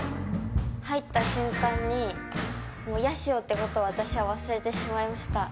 入った瞬間に八潮ということを私は忘れてしまいました。